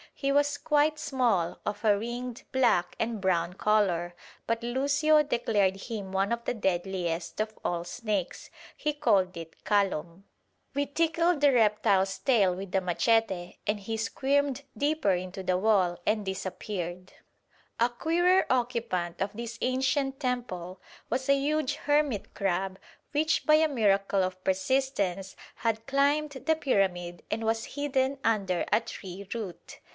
He was quite small, of a ringed black and brown colour, but Lucio declared him one of the deadliest of all snakes. He called it calom. We tickled the reptile's tail with a machete, and he squirmed deeper into the wall and disappeared. [Illustration: RUINS OF EL MECO, EASTERN YUCATAN.] A queerer occupant of this ancient temple was a huge hermit crab, which by a miracle of persistence had climbed the pyramid and was hidden under a tree root.